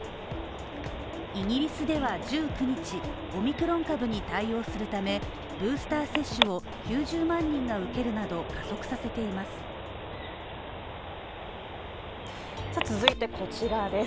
イギリスでは１９日、オミクロン株に対応するため、ブースター接種を９０万人が受けるなど加速させています。